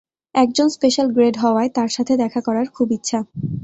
একজন special grade হওয়ায়, তার সাথে দেখা করার খুব ইচ্ছা।